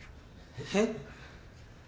えっ？